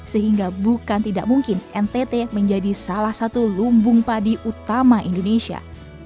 sehingga bukan tidak mungkin ntt menjadi salah satu lumbung padi utama indonesia